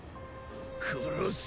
殺せ。